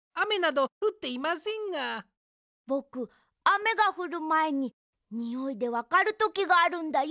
ぼくあめがふるまえににおいでわかるときがあるんだよ。